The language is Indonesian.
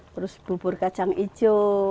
terus bubur kacang ijo